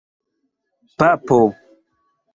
papo